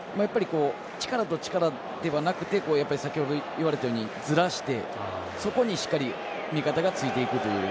力と力ではなくて先ほどいわれたようにずらしてそこにしっかり味方がついていくという。